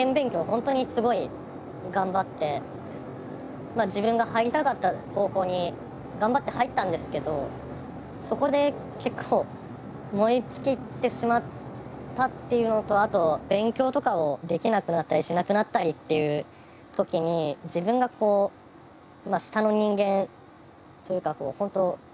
本当にすごい頑張ってまあ自分が入りたかった高校に頑張って入ったんですけどそこで結構燃え尽きてしまったっていうのとあと勉強とかをできなくなったりしなくなったりっていう時に自分が下の人間というか本当